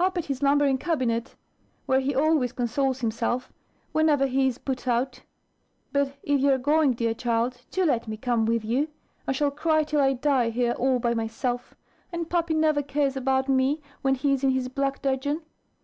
"Up at his lumbering cabinet, where he always consoles himself, whenever he is put out. But if you are going, dear child, do let me come with you. I shall cry till I die here, all by myself: and Pappy never cares about me, when he is in his black dudgeon."